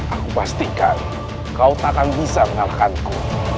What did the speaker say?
aku pastikan kau takkan bisa menalahkanku